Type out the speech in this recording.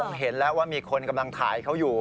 ผมเห็นแล้วว่ามีคนกำลังถ่ายเขาอยู่